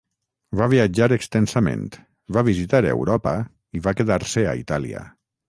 Va viatjar extensament, va visitar Europa i va quedar-se a Itàlia.